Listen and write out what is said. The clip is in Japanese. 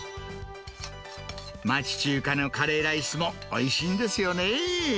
町中華のカレーライスもおいしいんですよね。